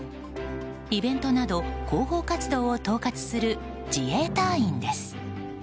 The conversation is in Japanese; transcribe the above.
イベントなど広報活動を統括する自衛隊員です。